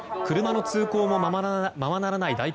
車の通行もままならない